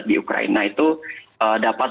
di ukraina itu dapat